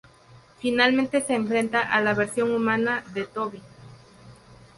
Finalmente se enfrenta a la versión "humana" de Toby.